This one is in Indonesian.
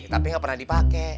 tapi gak pernah dipake